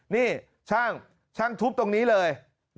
นี่ช่างช่างทุบตรงนี้เลย